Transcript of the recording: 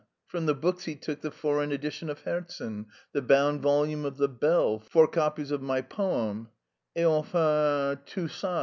_ From the books he took the foreign edition of Herzen, the bound volume of The Bell, four copies of my poem, _et enfin tout ça.